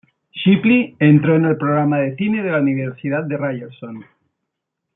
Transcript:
Shipley entró en el programa de cine de la Universidad de Ryerson.